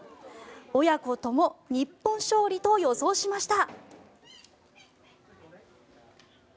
親子とも日本勝利と予想しました。